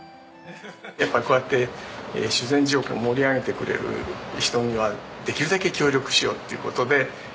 やっぱこうやって修善寺を盛り上げてくれる人にはできるだけ協力しようっていう事で今まで。